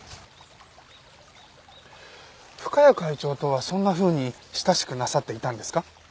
深谷会長とはそんなふうに親しくなさっていたんですか？